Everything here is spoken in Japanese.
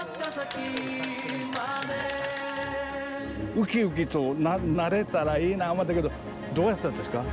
うきうきとなれたらいいなと思ったけどどうやったですか？